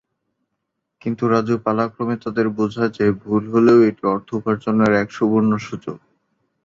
কিন্তু রাজু পালাক্রমে তাদের বোঝায় যে ভুল হলেও, এটি অর্থ উপার্জনের এক সুবর্ণ সুযোগ।